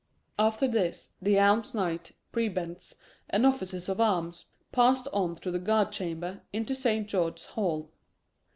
After this, the alms knights, prebends, and officers of arms passed on through the guard chamber into Saint George's Hall.